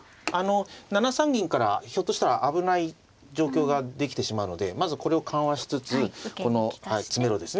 ７三銀からひょっとしたら危ない状況ができてしまうのでまずこれを緩和しつつこの詰めろですね。